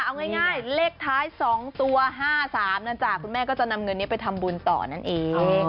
เอาง่ายเลขท้าย๒ตัว๕๓นะจ๊ะคุณแม่ก็จะนำเงินนี้ไปทำบุญต่อนั่นเอง